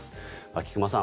菊間さん